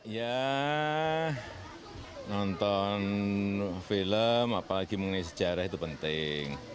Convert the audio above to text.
ya nonton film apalagi mengenai sejarah itu penting